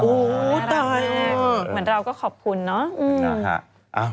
เหมือนเราก็ขอบคุณนะ